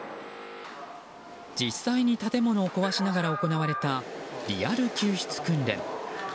実際に建物を壊しながら行われたリアル救出訓練。